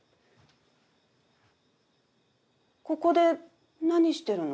ここで何してるの？